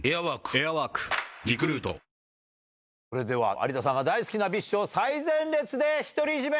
有田さんが大好きなＢｉＳＨを最前列で独り占め！